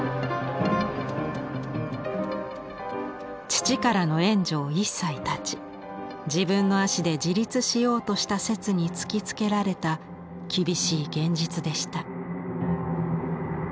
父からの援助を一切絶ち自分の足で自立しようとした摂に突きつけられた厳しい現実でした。